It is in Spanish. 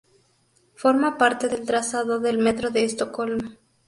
Forma parte del trazado del Metro de Estocolmo.